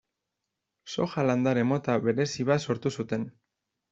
Soja landare mota berezi bat sortu zuten.